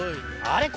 あれ？